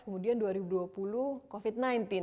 kemudian dua ribu dua puluh covid sembilan belas